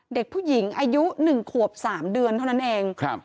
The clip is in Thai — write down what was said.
เด็กผู้หญิงอายุหนึ่งขวบสามเดือนเท่านั้นเองครับ